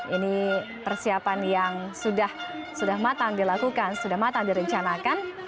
ini persiapan yang sudah matang dilakukan sudah matang direncanakan